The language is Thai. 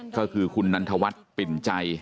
ก็คือคุณนันทวัฒน์ปิ่นใจ